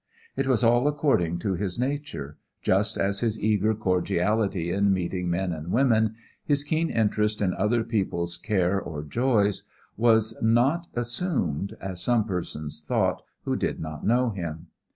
It was all according to his nature, just as his eager cordiality in meeting men and women, his keen interest in other people's care or joys, was not assumed, as some persons thought who did not know him.